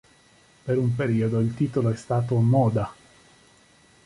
Per un periodo il titolo è stato "“...Moda”".